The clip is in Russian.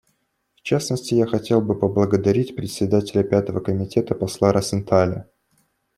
В частности, я хотел бы поблагодарить Председателя Пятого комитета посла Росенталя.